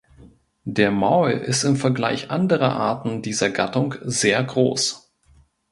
Der Maul ist im Vergleich anderer Arten dieser Gattung sehr groß.